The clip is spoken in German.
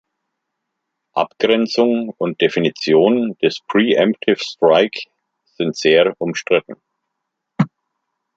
Abgrenzung und Definition des "pre-emptive strike" sind sehr umstritten.